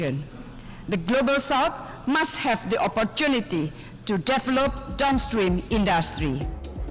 selatan global harus memiliki kesempatan untuk mengembang industri kecil